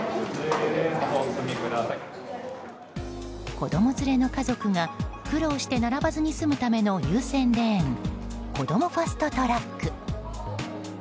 子供連れの家族が苦労して並ばずに済むための優先レーンこどもファスト・トラック。